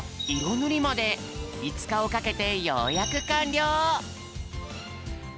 ぬりまでいつかをかけてようやくかんりょう！